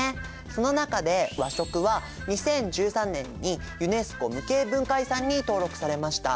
その中で和食は２０１３年にユネスコ無形文化遺産に登録されました。